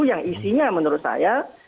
yang isinya menurut saya